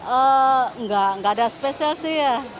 enggak ada spesial sih ya